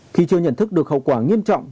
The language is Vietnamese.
khi chưa nhận thức được hậu quả nghiêm trọng